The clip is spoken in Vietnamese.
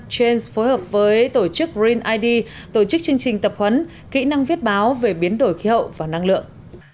trains phối hợp với tổ chức green id tổ chức chương trình tập huấn kỹ năng viết báo về biến đổi khí hậu và năng lượng